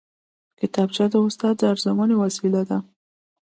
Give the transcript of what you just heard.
کتابچه د استاد د ارزونې وسیله ده